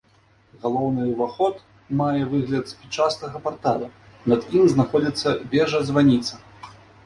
Галоўны ўваход мае выгляд спічастага партала, над ім знаходзіцца вежа-званіца.